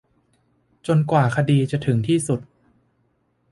จนกว่าคดีจะถึงที่สุด